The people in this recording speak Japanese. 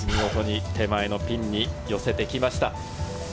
手前のピンに寄せてきました。